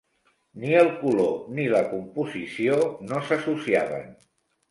Ni el color ni la composició no s'associaven.